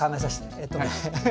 えっとね。